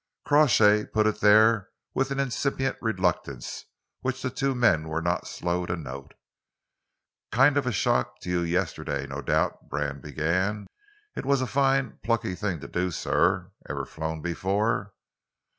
Crawshay put it there with an incipient reluctance which the two men were not slow to note. "Kind of shock to you yesterday, no doubt," Brand began. "It was a fine, plucky thing to do, sir. Ever flown before?"